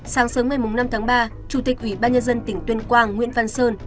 sáng sớm ngày năm tháng ba chủ tịch ủy ban nhân dân tỉnh tuyên quang nguyễn văn sơn